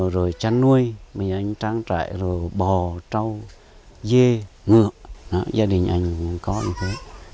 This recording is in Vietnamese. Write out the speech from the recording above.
rồi chăn nuôi trang trại bò trâu dê ngựa gia đình anh cũng có như thế